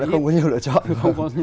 vậy là không có nhiều lựa chọn